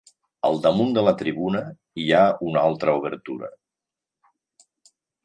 Al damunt de la tribuna, hi ha una altra obertura.